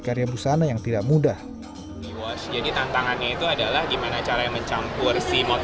karya busana yang tidak mudah diwas jadi tantangannya itu adalah gimana caranya mencampur